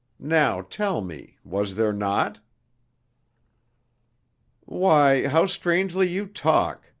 Now tell me, was there not?" "Why, how strangely you talk!"